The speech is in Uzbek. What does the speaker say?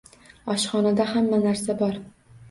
Oshxonada hamma narsa bor